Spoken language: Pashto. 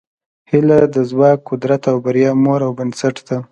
هیله د ځواک، قدرت او بریا مور او بنسټ ده.